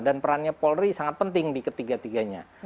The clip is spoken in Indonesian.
dan perannya polri sangat penting di ketiga tiganya